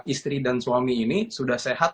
istri dan suami ini sudah sehat